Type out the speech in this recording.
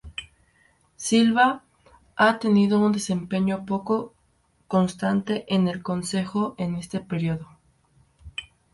Silva ha tenido un desempeño poco constante en el Concejo en este periodo.